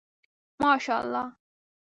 ماشاءالله